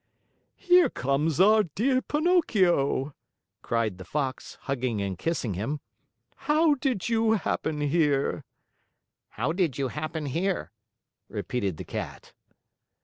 "Here comes our dear Pinocchio!" cried the Fox, hugging and kissing him. "How did you happen here?" "How did you happen here?" repeated the Cat.